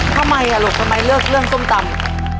ทำไมลูกทำไมเลือกเรื่องส้มตำ